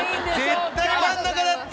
絶対真ん中だって！